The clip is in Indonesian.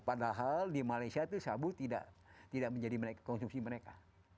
padahal di malaysia itu sabu tidak menjadi konsumsi mereka